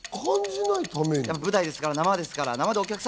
舞台ですから、生ですから。